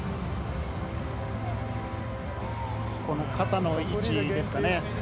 肩の位置ですかね。